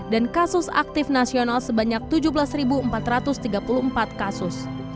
dan kasus aktif nasional sebanyak tujuh belas empat ratus tiga puluh empat kasus